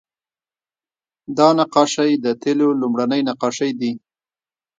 دا نقاشۍ د تیلو لومړنۍ نقاشۍ دي